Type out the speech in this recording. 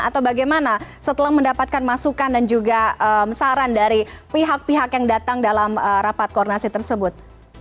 atau bagaimana setelah mendapatkan masukan dan juga saran dari pihak pihak yang datang dalam rapat koordinasi tersebut